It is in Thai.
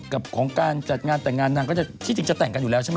กับของการจัดงานแต่งงานนางก็จะที่จริงจะแต่งกันอยู่แล้วใช่ไหม